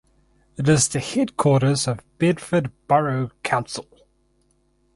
It is the headquarters of Bedford Borough Council.